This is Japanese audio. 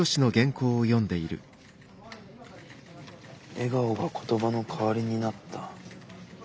「笑顔が言葉のかわりになった」。